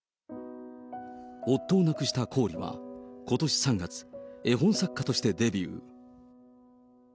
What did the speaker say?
夫を亡くしたコーリは、ことし３月、絵本作家としてデビュー。